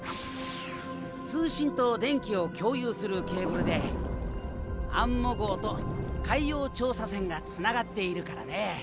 通信と電気を共有するケーブルでアンモ号と海洋調査船がつながっているからね。